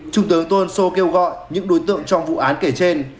trung tướng tô ân sô kêu gọi những đối tượng trong vụ án kể trên